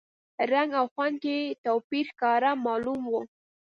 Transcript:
رنګ او خوند کې یې توپیر ښکاره معلوم و.